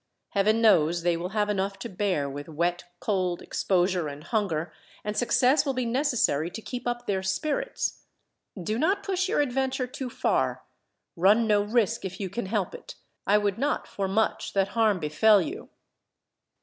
Heaven knows, they will have enough to bear, with wet, cold, exposure, and hunger, and success will be necessary to keep up their spirits. Do not push your adventure too far. Run no risk if you can help it. I would not, for much, that harm befell you."